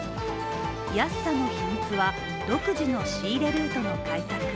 安さの秘密は、独自の仕入れルートの開拓。